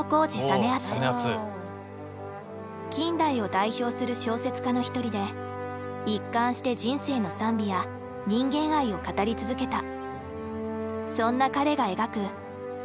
近代を代表する小説家の一人で一貫して人生の賛美や人間愛を語り続けた。